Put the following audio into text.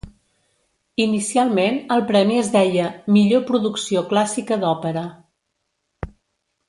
Inicialment el premi es deia "Millor producció clàssica d'òpera".